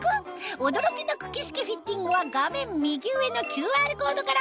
驚きの九鬼式フィッティングは画面右上のＱＲコードから！